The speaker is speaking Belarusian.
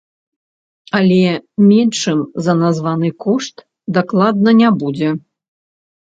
Але меншым за названы кошт дакладна не будзе.